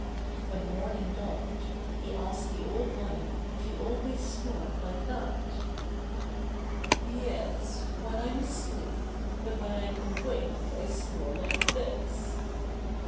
When morning dawned he asked the Old Lion if he always snored like that *'Yes, when I'm asleep, but when I'm awake I snore like this."